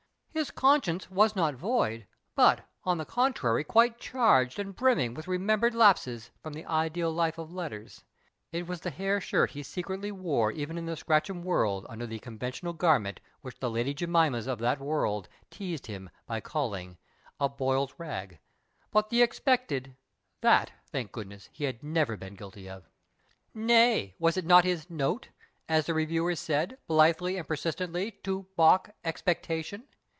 His conscience was not void, but, on the contrary, quite charged and brimming with remembered lapses from the ideal life of letters — it was the hair shirt he secretly wore even in the Scratchem world under the conventional garment which the Lady Jemimas of that world teased liim by calling a ffS "THE REPROBATE" " boiled rag "— but the " expected," that, thank goodness, he had never been guilty of. Nay, was it not his " note," as the reviewers said, blithely and persistently to balk " expectation